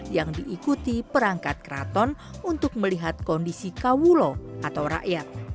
yang diikuti perangkat keraton untuk melihat kondisi kawulo atau rakyat